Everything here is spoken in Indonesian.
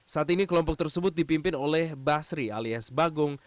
saat ini kelompok tersebut dipimpin oleh basri alias bagung